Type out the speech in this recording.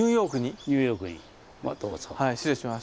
はい失礼します。